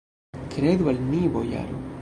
Kredu al ni, bojaro!